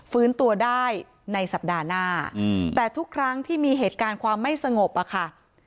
ฟื้นตัวได้ในสัปดาห์หน้าแต่ทุกครั้งที่มีเหตุการณ์ความไม่สงบอะค่ะ